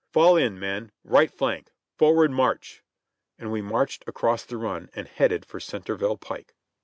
"Fall in, men! Right flank! Forward, march!'' And wc marched across the run, and headed for Centerville pike.